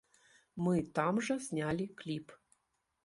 Мы там жа знялі кліп.